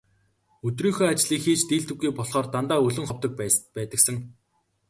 Өдрийнхөө ажлыг хийж дийлдэггүй болохоор дандаа өлөн ховдог байдагсан.